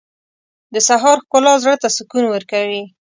• د سهار ښکلا زړه ته سکون ورکوي.